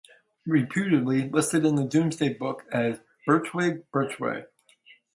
Reputedly listed in the Doomesday Book as "Birchwig" Birch Way.